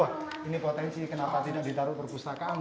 wah ini potensi kenapa tidak ditaruh perpustakaan